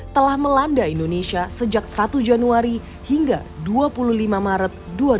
telah melanda indonesia sejak satu januari hingga dua puluh lima maret dua ribu dua puluh